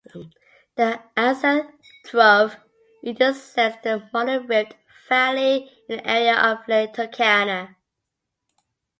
The Anza trough intersects the modern rift valley in the area of Lake Turkana.